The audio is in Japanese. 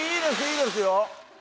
いいですよ！